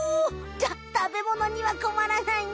じゃたべものにはこまらないね。